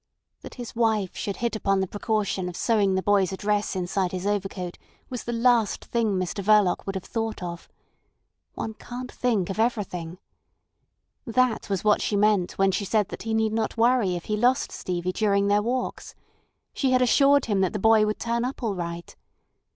That his wife should hit upon the precaution of sewing the boy's address inside his overcoat was the last thing Mr Verloc would have thought of. One can't think of everything. That was what she meant when she said that he need not worry if he lost Stevie during their walks. She had assured him that the boy would turn up all right.